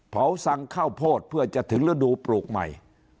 สั่งข้าวโพดเพื่อจะถึงฤดูปลูกใหม่